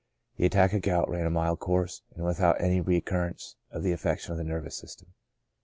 The attack of gout ran a mild course, and without any re currence of the affection of the nervous system.